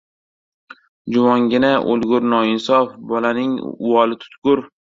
Juvongina o‘lgur noinsof! Bolaning uvoli tutgur